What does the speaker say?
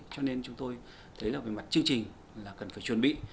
cho nên chúng tôi thấy là về mặt chương trình là cần phải chuẩn bị